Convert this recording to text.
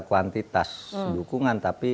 kuantitas dukungan tapi